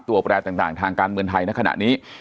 แปรต่างทางการเมืองไทยในขณะนี้